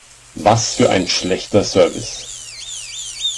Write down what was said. Was für ein schlechter Service!